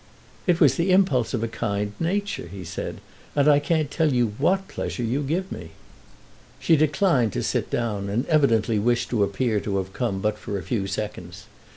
"It was the impulse of a kind nature," he said, "and I can't tell you what pleasure you give me." She declined to sit down, and evidently wished to appear to have come but for a few seconds.